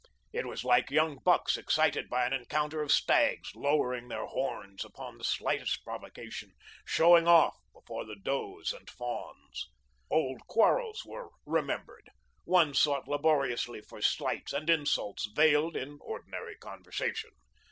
It was like young bucks excited by an encounter of stags, lowering their horns upon the slightest provocation, showing off before the does and fawns. Old quarrels were remembered. One sought laboriously for slights and insults, veiled in ordinary conversation.